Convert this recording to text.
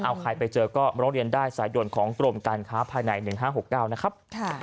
เอาใครไปเจอก็ร้องเรียนได้สายด่วนของกรมการค้าภายใน๑๕๖๙นะครับ